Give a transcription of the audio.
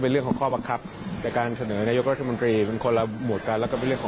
และซึ่งแทบจะมีรักษาอาทิตย์ของภาคบังกลับสมรีอย่างไรน่ารัก